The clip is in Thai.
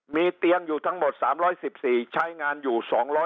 มีเตียงอยู่ทั้งหมด๓๑๔ใช้งานอยู่